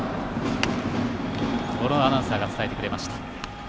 小野アナウンサーが伝えてくれました。